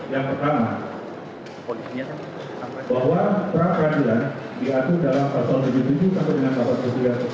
yang pertama bahwa peradilan diatur dalam pasal tujuh puluh tujuh delapan tujuh dua h